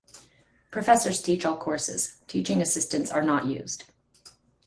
Professors teach all courses; teaching assistants are not used.